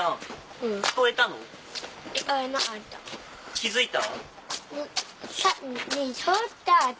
気付いた？